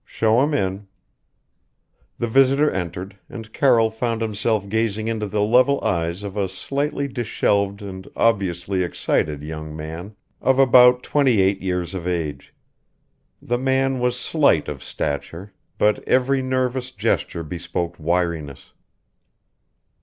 "Show him in." The visitor entered, and Carroll found himself gazing into the level eyes of a slightly disheveled and obviously excited young man of about twenty eight years of age. The man was slight of stature, but every nervous gesture bespoke wiriness.